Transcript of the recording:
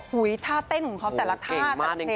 หุ้ยท่าเต้นของเขาแต่ละท่า